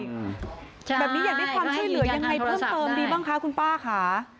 แบบนี้อยากได้ความช่วยเหลือยังไงเพิ่มเติมดีบ้างคะคุณป้าค่ะ